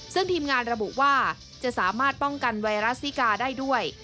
ซึ่งทีมงานระบุว่าจะสามารถป้องกันไวรัสซิกาได้ด้วย